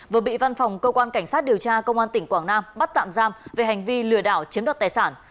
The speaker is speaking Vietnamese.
vừa bị văn phòng cơ quan cảnh sát điều tra công an tỉnh quảng nam bắt tạm giam về hành vi lừa đảo chiếm đoạt tài sản